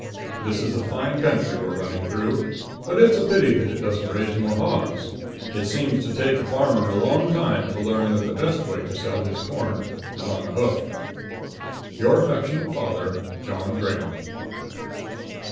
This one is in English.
This is a fine country we're running through, but it's a pity that it doesn't raise more hogs. It seems to take a farmer a long time to learn that the best way to sell his corn is on the hoof. Your affectionate father, JOHN GRAHAM.